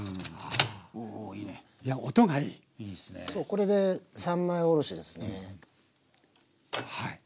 これで三枚おろしですね。